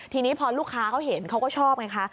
ทีนี้พอลูกค้าเขาเห็นเขาก็ชอบไงคะ